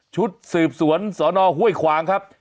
ชุดสืบสวนสนห้วยขวางครับ